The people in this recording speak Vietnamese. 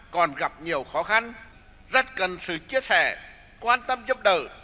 còn gặp nhiều khó khăn rất cần sự chia sẻ quan tâm giúp đỡ